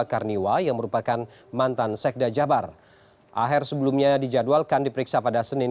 karniwa yang merupakan mantan sekda jabar aher sebelumnya dijadwalkan diperiksa pada senin